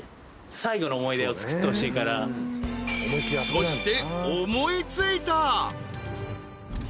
［そして］